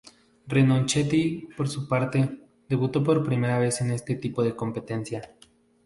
Ronchetti, por su parte, debutó por primera vez en este tipo de competencia.